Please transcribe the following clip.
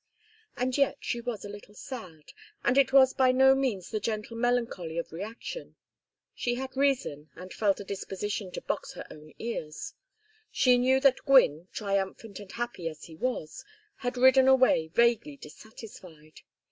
And yet she was a little sad, and it was by no means the gentle melancholy of reaction. She had reason, and felt a disposition to box her own ears. She knew that Gwynne, triumphant and happy as he was, had ridden away vaguely dissatisfied.